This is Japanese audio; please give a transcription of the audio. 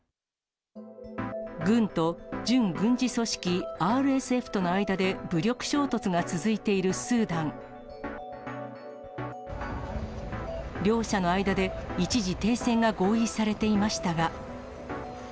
軍と準軍事組織ＲＳＦとの間で武力衝突が続いているスーダン。両者の間で一時停戦が合意されていましたが。